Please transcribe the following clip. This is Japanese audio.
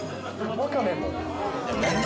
ワカメも。